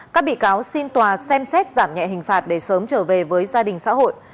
các bị cáo xin tòa xem xét giảm nhẹ hình phạt để sớm trở về với gia đình xã hội